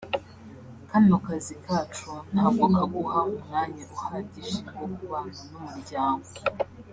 kano kazi kacu ntabwo kaguha umwanya uhagije wo kubana n’umuryango